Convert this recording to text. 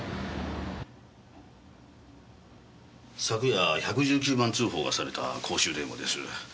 昨夜１１９番通報がされた公衆電話です。